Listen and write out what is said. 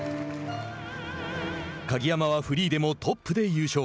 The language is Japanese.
鍵山はフリーでもトップで優勝。